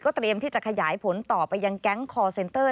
เตรียมที่จะขยายผลต่อไปยังแก๊งคอร์เซ็นเตอร์